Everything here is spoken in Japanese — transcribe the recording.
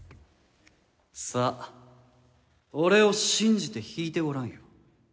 さあ、俺を信じて引いてごらんよ。